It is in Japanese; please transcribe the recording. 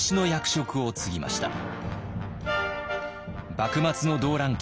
幕末の動乱期